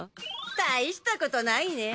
たいしたことないねぇ。